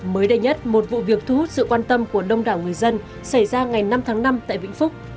mới đây nhất một vụ việc thu hút sự quan tâm của đông đảo người dân xảy ra ngày năm tháng năm tại vĩnh phúc